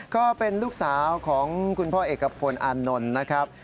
ก็เป็นลูกสาวของคุณพ่อเอกพลอานนท์นะครับ